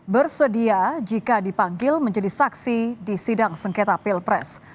bersedia jika dipanggil menjadi saksi di sidang sengketa pilpres